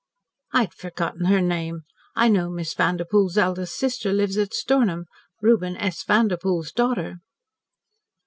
"I'd forgotten her name. I know Miss Vanderpoel's eldest sister lives at Stornham Reuben S. Vanderpoel's daughter."